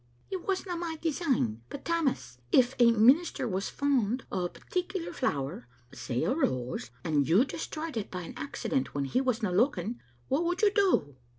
" It wasna my design. But, Tammas, if a — a minis ter was fond o' a particular flower — say a rose — and you destroyed it by an accident, when he wasna looking, what would you do?"